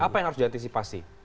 apa yang harus diantisipasi